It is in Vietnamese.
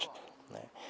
đó là một vấn đề